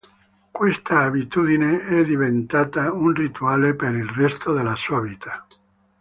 Questa abitudine è diventata un rituale per il resto della sua vita.